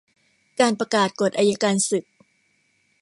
การประกาศกฎอัยการศึก